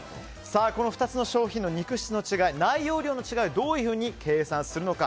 この２つの商品の肉質の違い内容量の違いをどういうふうに計算するのか。